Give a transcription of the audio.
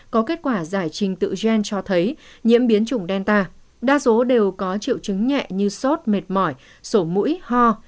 có kết quả giải trình tự gen cho thấy nhiễm biến chủng delta đa số đều có triệu chứng nhẹ như sốt mệt mỏi sổ mũi ho